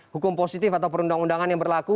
hukum positif atau perundang undangan yang berlaku